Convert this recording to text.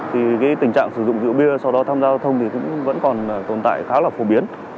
thì tình trạng sử dụng rượu bia sau đó tham gia giao thông thì cũng vẫn còn tồn tại khá là phổ biến